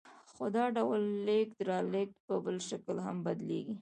خو دا ډول لېږد رالېږد په بل شکل هم بدلېږي